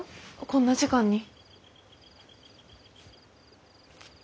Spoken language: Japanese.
こんな時間に。